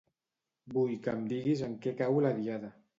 Vull que em diguis en què cau la Diada.